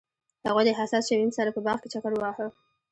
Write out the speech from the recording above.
هغوی د حساس شمیم سره په باغ کې چکر وواهه.